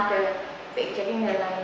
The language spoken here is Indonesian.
dan pijakin dan lain lain